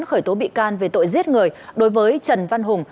khởi tố bị can về tội giết người đối với trần văn hùng